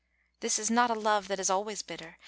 This is not a love that is always bitter.